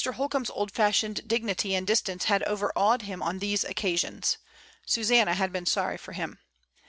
Holcombe's old fashioned dignity and distance had overawed him on these occasions. Susanna had been sorry for him.